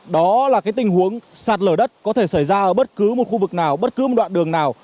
đó là tình huống sạt lở đất có thể xảy ra ở bất cứ một khu vực nào bất cứ một đoạn đường nào